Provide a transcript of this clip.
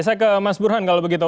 saya ke mas burhan kalau begitu